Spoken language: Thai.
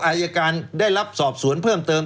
อายการได้รับสอบสวนเพิ่มเติม